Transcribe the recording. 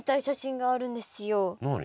何？